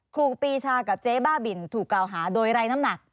ครูปีชากับเจ๊บ้าบินถูกกล่าวหาโดยไร้น้ำหนัก